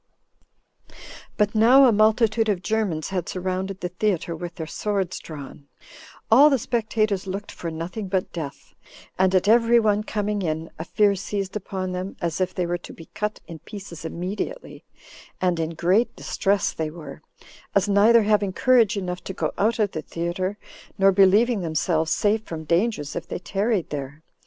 17. But now a multitude of Germans had surrounded the theater with their swords drawn: all the spectators looked for nothing but death, and at every one coming in a fear seized upon them, as if they were to be cut in pieces immediately; and in great distress they were, as neither having courage enough to go out of the theater, nor believing themselves safe from dangers if they tarried there.